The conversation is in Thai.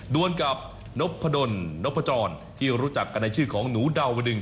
วนกับนพดลนพจรที่รู้จักกันในชื่อของหนูดาวดึง